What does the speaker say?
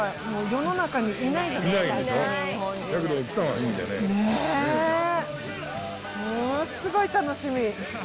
ものすごい楽しみ。